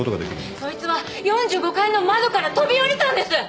そいつは４５階の窓から飛び降りたんです！